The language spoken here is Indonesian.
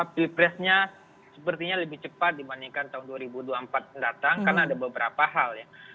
pilpresnya sepertinya lebih cepat dibandingkan tahun dua ribu dua puluh empat mendatang karena ada beberapa hal ya